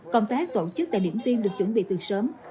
công tác tổ chức tại điểm tiên được chuẩn bị từ sớm